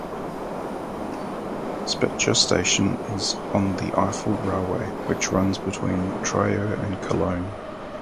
Speicher station is on the Eifel Railway which runs between Trier and Cologne.